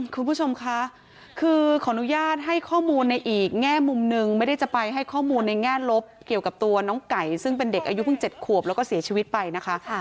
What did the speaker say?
คุณผู้ชมคะคือขออนุญาตให้ข้อมูลในอีกแง่มุมหนึ่งไม่ได้จะไปให้ข้อมูลในแง่ลบเกี่ยวกับตัวน้องไก่ซึ่งเป็นเด็กอายุเพิ่ง๗ขวบแล้วก็เสียชีวิตไปนะคะ